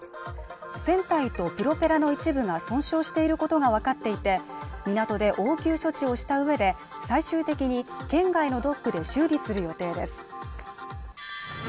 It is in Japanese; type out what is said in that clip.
船体とプロペラの一部が損傷していることがわかっていて港で応急処置をしたうえで最終的に県外のドックで修理する予定です